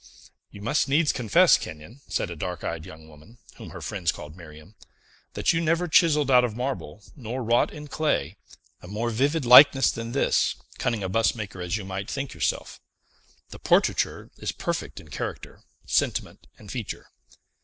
"You must needs confess, Kenyon," said a dark eyed young woman, whom her friends called Miriam, "that you never chiselled out of marble, nor wrought in clay, a more vivid likeness than this, cunning a bust maker as you think yourself. The portraiture is perfect in character, sentiment, and feature.